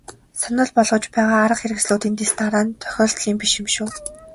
Санал болгож байгаа арга хэрэгслүүдийн дэс дараа нь тохиолдлын биш юм шүү.